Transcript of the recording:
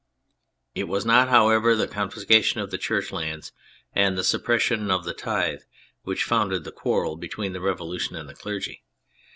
It was not, however, the confiscation of the Church lands and the suppression of the tithe which founded the quarrel between the Revolution and the clergy.